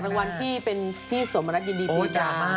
งานแจกรจนวันพี่เป็นพี่สวมนักยิ้มดีพีดรา